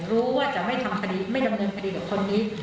รู้ว่าจะไม่ทำคดีไม่ดำเนินคดีกับคนนี้